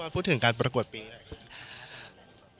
พูดถึงการปรากวดปีนี้